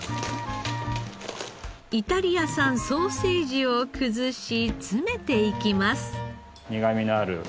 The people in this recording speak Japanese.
イタリア産ソーセージを崩し詰めていきます。